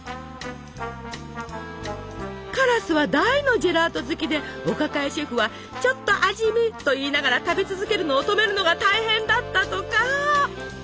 カラスは大のジェラート好きでお抱えシェフはちょっと味見といいながら食べ続けるのを止めるのが大変だったとか！